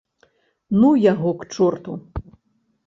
Ну яго к чорту.